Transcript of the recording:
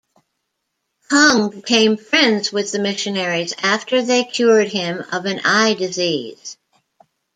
Kung became friends with the missionaries after they cured him of an eye disease.